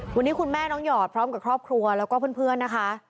วันนี้คุณแม่น้องหยอดพร้อมกับครอบครัวแล้วก็เพื่อนนะคะ